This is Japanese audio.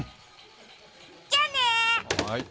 じゃあね！